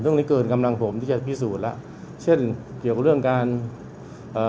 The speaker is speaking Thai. เรื่องนี้เกินกำลังผมที่จะพิสูจน์แล้วเช่นเกี่ยวกับเรื่องการเอ่อ